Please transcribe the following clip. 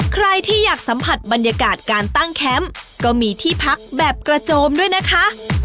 ใครที่อยากสัมผัสบรรยากาศการตั้งแคมป์ก็มีที่พักแบบกระโจมด้วยนะคะ